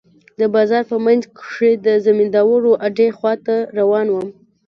د بازار په منځ کښې د زمينداورو اډې خوا ته روان وم.